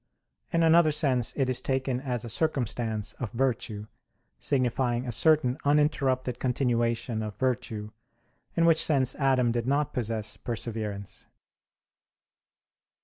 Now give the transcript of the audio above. In another sense it is taken as a circumstance of virtue; signifying a certain uninterrupted continuation of virtue; in which sense Adam did not possess perseverance.